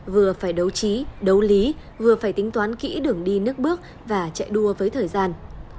vừa phải đấu trí đấu lý vừa phải tính toán kỹ đường đi nước bước và chạy đua với thời gian